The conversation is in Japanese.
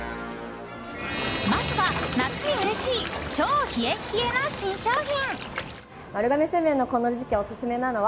まずは、夏にうれしい超冷え冷えな新商品。